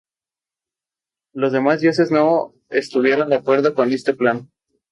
Los demás dioses no estuvieron de acuerdo con este plan.